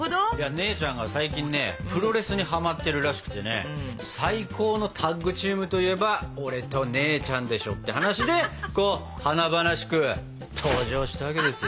姉ちゃんが最近ねプロレスにはまってるらしくてね最高のタッグチームといえば俺と姉ちゃんでしょって話でこう華々しく登場したわけですよ。